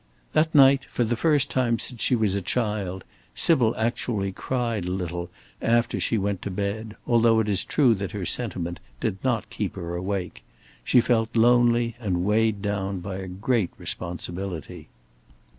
That night, for the first time since she was a child, Sybil actually cried a little after she went to bed, although it is true that her sentiment did not keep her awake. She felt lonely and weighed down by a great responsibility.